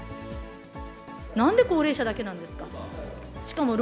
なんで高齢者だけなんですか。